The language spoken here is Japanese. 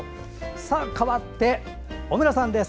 かわって、小村さんです。